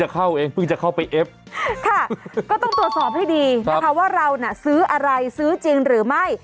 ก็ต้องตรวจสอบให้ดีนะคะว่าเราซื้ออะไรซื้อจริงหรือไม่